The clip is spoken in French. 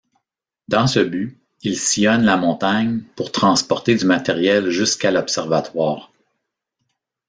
Dans ce but, il sillonne la montagne pour transporter du matériel jusqu'à l'observatoire.